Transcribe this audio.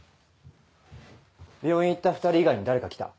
病院行った２人以外に誰か来た？